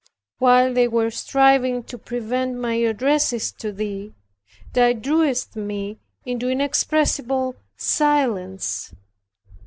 While they were striving to prevent my addresses to Thee, thou drewest me into an inexpressible silence.